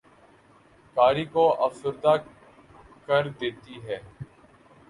قاری کو افسردہ کر دیتی ہے